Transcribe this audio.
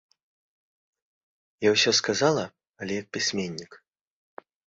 Я ўсё сказала, але як пісьменнік.